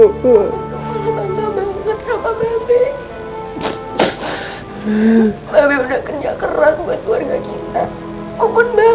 mbak be malah bambang banget sama mbak be